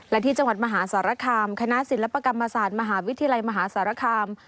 และที่จังหวัดมหาสารคามคณะศิลปกรรมศาสตร์มหาวิทยาลัยมหาสารคาม